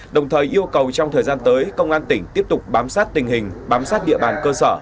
đồng thời yêu cầu trong thời gian tới công an tỉnh tiếp tục bám sát tình hình bám sát địa bàn cơ sở